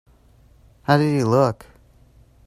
How did he look?